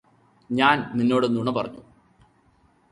ഞാന് നിന്നോട് നുണ പറഞ്ഞു